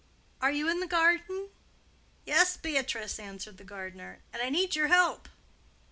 "Are you in the garden?" "Yes, Beatrice," answered the gardener, "and I need your help."